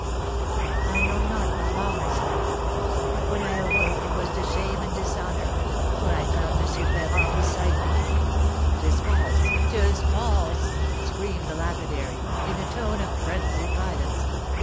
"I know not how long I slept; but when I awoke it was to shame and dishonour, for I found M. Ferrand beside me." "'Tis false! 'tis false!" screamed the lapidary, in a tone of frenzied violence.